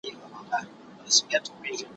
کټ یې مات کړ هر څه ولوېدل د لاندي